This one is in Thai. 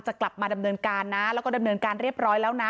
กลับมาดำเนินการนะแล้วก็ดำเนินการเรียบร้อยแล้วนะ